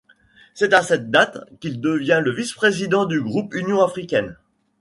C'est à cette date qu'il devient le vice-président du groupe Union Africaine.